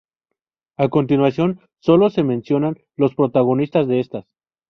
A continuación sólo se mencionan los protagonistas de estas.